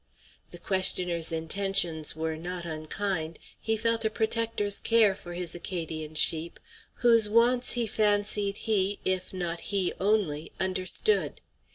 The questioner's intentions were not unkind. He felt a protector's care for his Acadian sheep, whose wants he fancied he, if not he only, understood.